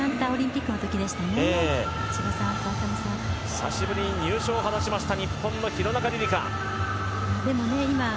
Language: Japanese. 久しぶりに入賞を果たした日本の廣中璃梨佳。